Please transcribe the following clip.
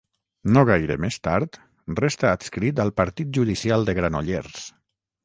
No gaire més tard, resta adscrit al partit judicial de Granollers.